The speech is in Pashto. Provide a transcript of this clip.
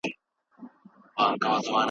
د کور شاوخوا ډنډونه له منځه یوسئ.